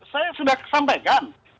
saya sudah sampaikan